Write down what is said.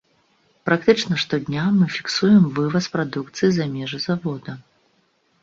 Практычна штодня мы фіксуем вываз прадукцыі за межы завода.